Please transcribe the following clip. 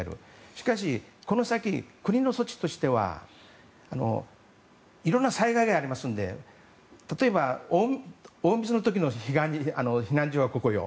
しかし、この先国の措置としてはいろんな災害がありますので例えばこの時の避難所はここよ